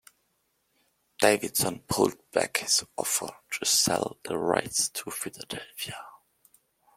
Davidson pulled back his offer to sell the rights to Philadelphia.